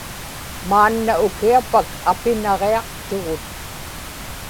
maanna ukiapak apinaġiaqtugut